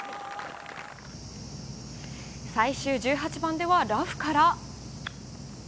最終１８番ではラフから。